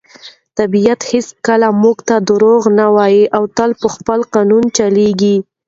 طبیعت هیڅکله موږ ته دروغ نه وایي او تل په خپل قانون چلیږي.